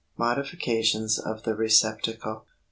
MODIFICATIONS OF THE RECEPTACLE.